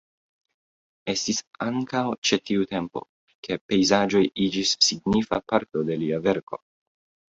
Estis ankaŭ ĉe tiu tempo ke pejzaĝoj iĝis signifa parto de lia verko.